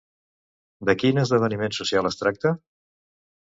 De quin esdeveniment social es tracta?